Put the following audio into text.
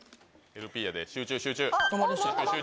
ＬＰやで、集中、集中。